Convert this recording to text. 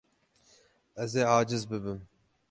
Ez ê aciz bibim.